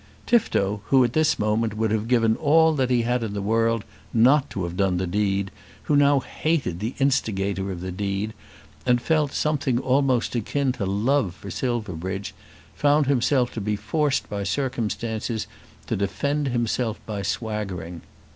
Tifto, who at this moment would have given all that he had in the world not to have done the deed, who now hated the instigator of the deed, and felt something almost akin to love for Silverbridge, found himself to be forced by circumstances to defend himself by swaggering.